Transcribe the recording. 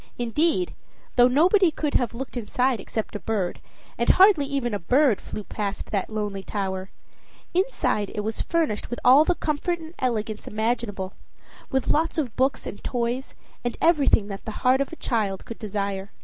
Inside though nobody could have looked inside except a bird, and hardly even a bird flew past that lonely tower inside it was furnished with all the comfort and elegance imaginable; with lots of books and toys, and everything that the heart of a child could desire.